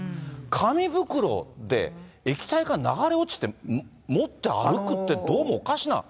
紙袋で、液体が流れ落ちて、持って歩くって、どうもおかしな。